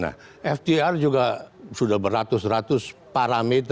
nah ftr juga sudah beratus ratus parameter